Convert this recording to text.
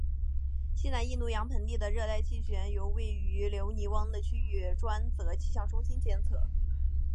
西南印度洋盆地的热带气旋由位于留尼汪的区域专责气象中心监测。